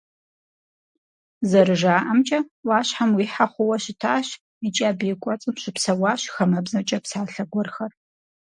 ЗэрыжаӀэмкӀэ, Ӏуащхьэм уихьэ хъууэ щытащ, икӀи абы и кӀуэцӀым щыпсэуащ «хамэбзэкӀэ псалъэ гуэрхэр».